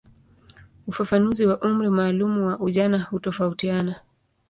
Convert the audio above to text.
Ufafanuzi wa umri maalumu wa ujana hutofautiana.